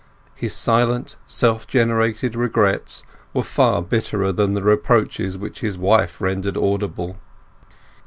His silent self generated regrets were far bitterer than the reproaches which his wife rendered audible.